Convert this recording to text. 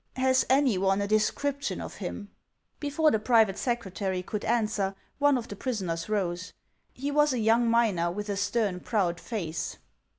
Has any one a description of him f~ Before the private secretary could answer, one of the prisoners rose. He was a young miner, with a stern, proud face.